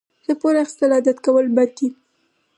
د پور اخیستل عادت کول بد دي.